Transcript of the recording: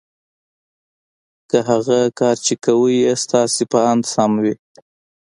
که هغه کار چې کوئ یې ستاسې په اند سم وي